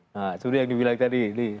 nah sudah yang dibilang tadi